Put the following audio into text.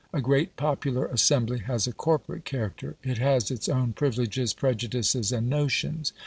A great popular assembly has a corporate character; it has its own privileges, prejudices, and notions.